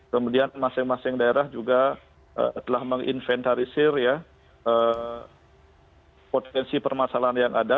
kemudian masing masing daerah juga telah menginventarisir ya potensi permasalahan yang ada